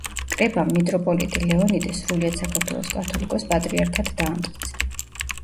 კრებამ მიტროპოლიტი ლეონიდე სრულიად საქართველოს კათოლიკოს-პატრიარქად დაამტკიცა.